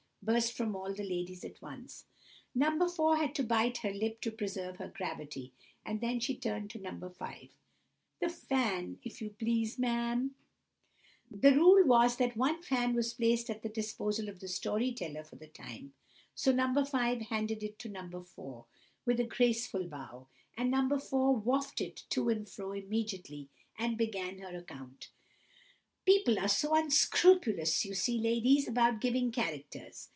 burst from all the ladies at once. No. 4 had to bite her lip to preserve her gravity, and then she turned to No. 5— "The fan, if you please, ma'am!" The rule was, that the one fan was placed at the disposal of the story teller for the time, so No. 5 handed it to No. 4, with a graceful bow; and No. 4 waffed it to and fro immediately, and began her account:— "People are so unscrupulous you see, ladies, about giving characters.